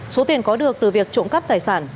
số tiền có được từ việc trộm cắp tài sản